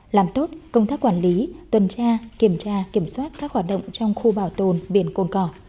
làm tốt công tác quản lý tuần tra kiểm tra kiểm soát các hoạt động trong khu bảo tồn biển cồn cỏ